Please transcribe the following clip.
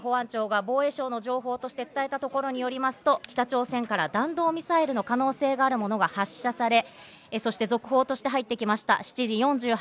海上保安庁が防衛省の情報として伝えたところによりますと、北朝鮮から弾道ミサイルの可能性があるものが発射され、そして続報として入ってきました。